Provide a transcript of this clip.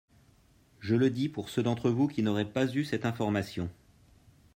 Je le dis pour ceux d’entre vous qui n’auraient pas eu cette information.